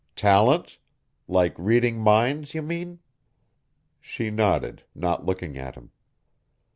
"Talents? Like reading minds, you mean?" She nodded, not looking at him.